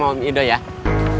cuma di sql kan